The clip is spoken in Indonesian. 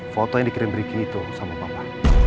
foto yang dikirim bricky itu sama papa